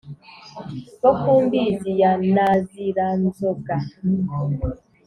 bo ku mbizi ya naziranzoga